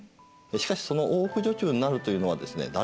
しかしその大奥女中になるというのはですね